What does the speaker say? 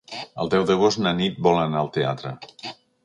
El deu d'agost na Nit vol anar al teatre.